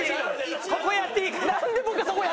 ここやっていいから。